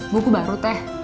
buku baru teh